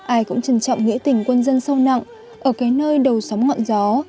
ai cũng trân trọng nghĩa tình quân dân sâu nặng ở cái nơi đầu sóng ngọn gió